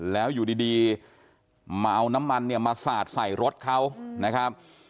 แล้วอยู่ดีมาเอาน้ำมันเนี่ยมาสาดใส่รถเขานะครับ